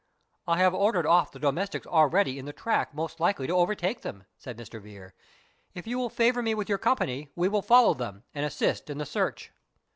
"I have ordered off the domestics already in the track most likely to overtake them," said Mr. Vere "if you will favour me with your company, we will follow them, and assist in the search."